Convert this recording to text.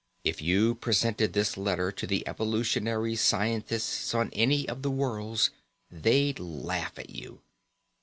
If you presented this letter to the evolutionary scientists on any of the worlds, they'd laugh at you.